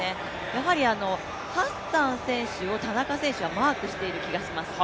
やはりハッサン選手を田中選手はマークしている気がします。